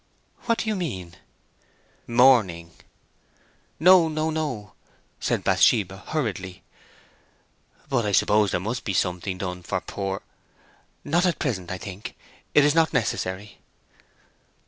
"What do you mean?" "Mourning." "No, no, no," said Bathsheba, hurriedly. "But I suppose there must be something done for poor—" "Not at present, I think. It is not necessary."